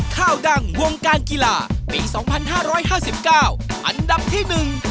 ข้าวดังวงการกีฬาปี๒๕๕๙อันดับที่๑